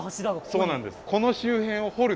そうなんです。